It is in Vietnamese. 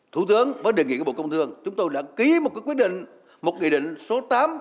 thủ tướng mới đề nghị bộ công thương chúng tôi đã ký một quyết định số tám